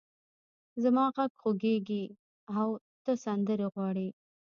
زما غږ خوږېږې او ته سندرې غواړې!